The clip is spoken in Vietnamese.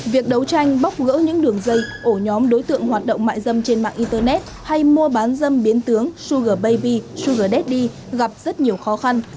việc đấu tranh bóc gỡ những đường dây ổ nhóm đối tượng hoạt động mại dâm trên mạng internet hay mua bán dâm biến tướng sugar baby sugar daddy gặp rất nhiều khó khăn